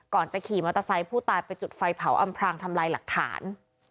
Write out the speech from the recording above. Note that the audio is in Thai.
ก่อนจะขี่มอเตอร์ไซค์ผู้ตายไปจุดไฟเผาอำพรางทำลายหลักฐาน